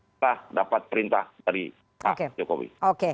setelah dapat perintah dari pak jokowi